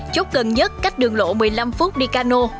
chốt gần nhất cách đường lộ một mươi năm phút đi cano